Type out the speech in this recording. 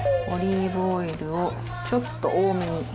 オリーブオイルをちょっと多めに。